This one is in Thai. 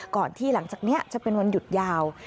ก่อนที่หลังจากนี้จะเป็นวันหยุดยาว